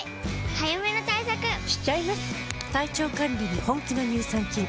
早めの対策しちゃいます。